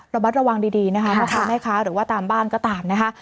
ระมัดระวังดีนะคะพ่อค้าแม่ค้าหรือว่าตามบ้านก็ตามนะคะ